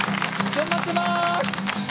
頑張ってます！